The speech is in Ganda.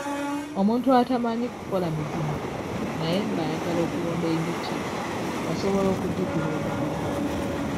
Omuntu atamanyi kukola mizinga naye ng'ayagala okulunda enjuki asobola okugigula obuguzi.